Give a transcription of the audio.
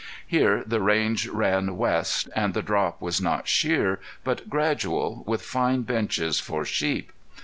Here the range ran west and the drop was not sheer, but, gradual with fine benches for sheep.